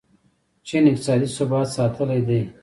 چین اقتصادي ثبات ساتلی دی.